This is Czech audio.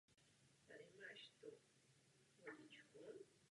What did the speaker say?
V dokumentu není kladen důraz ani na princip dobré správy.